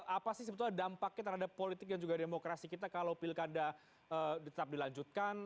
apa sih sebetulnya dampaknya terhadap politik dan juga demokrasi kita kalau pilkada tetap dilanjutkan